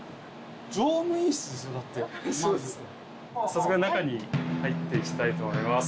早速中に入って行きたいと思います。